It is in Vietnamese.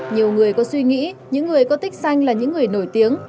nhiều người có suy nghĩ những người có tích xanh là những người nổi tiếng